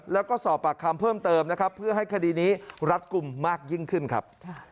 แล้วก็สอบปากคำเพิ่มเติมนะครับเพื่อให้คดีนี้รัดกลุ่มมากยิ่งขึ้นครับ